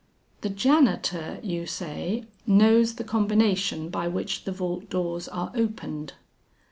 "The janitor, you say, knows the combination by which the vault doors are opened?"